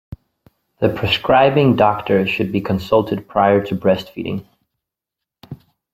The prescribing doctor should be consulted prior to breast-feeding.